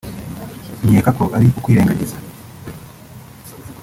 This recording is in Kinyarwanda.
nkeka ko ari ukwirengagiza